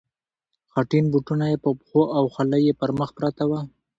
خټین بوټونه یې په پښو او خولۍ یې پر مخ پرته وه.